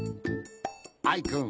アイくん。